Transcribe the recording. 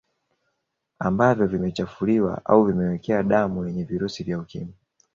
Ambavyo vimechafuliwa au vimewekewa damu yenye virusi vya Ukimwi